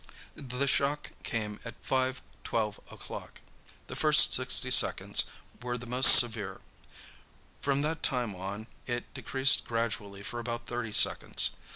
The shock came at 5.12 o'clock. The first sixty seconds were the most severe. From that time on it decreased gradually for about thirty seconds.